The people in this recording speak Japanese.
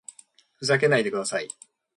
ふざけないでください